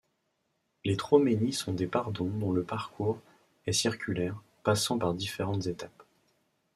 Les troménies sont des pardons dont le parcours est circulaire, passant par différentes étapes.